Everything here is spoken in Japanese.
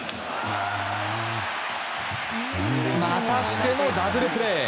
またしてもダブルプレー！